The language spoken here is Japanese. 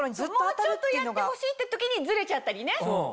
もうちょっとやってほしいって時にずれちゃったりね。